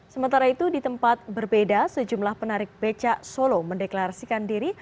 sementara itu di tempat berbeda sejumlah penarik becak solo mendeklarasikan diri